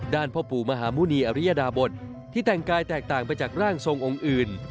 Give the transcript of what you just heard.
พ่อปู่มหาหมุณีอริยดาบทที่แต่งกายแตกต่างไปจากร่างทรงองค์อื่น